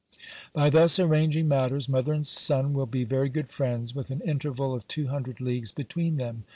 By thus arranging matters, mother and son will be very good friends, with an interval of two hundred leagues between them.